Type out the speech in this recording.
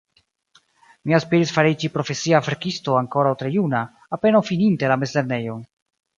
Mi aspiris fariĝi profesia verkisto ankoraŭ tre juna, apenaŭ fininte la mezlernejon.